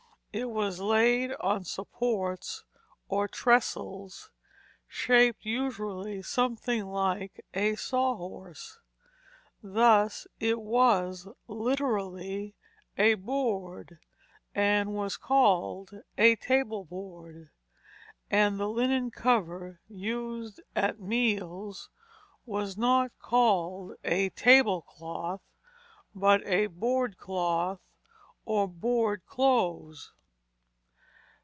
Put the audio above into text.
It was laid on supports or trestles, shaped usually something like a saw horse. Thus it was literally a board, and was called a table board, and the linen cover used at meals was not called a tablecloth, but a board cloth or board clothes.